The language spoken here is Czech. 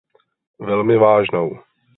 Velmi vážnou.